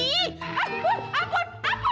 jadi lu yang ngerjain gue